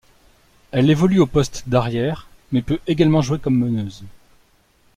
Elle évolue au poste d'arrière mais peut également jouer comme meneuse.